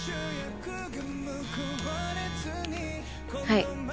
はい。